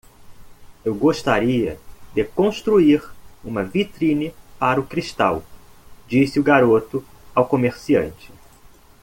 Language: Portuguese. "Eu gostaria de construir uma vitrine para o cristal?", disse o garoto ao comerciante.